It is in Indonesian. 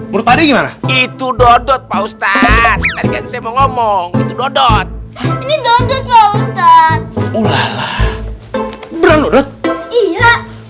berpading itu dodot pak ustadz saya mau ngomong dodot dodot beranudut iya